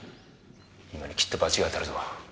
今にきっと罰が当たるぞ。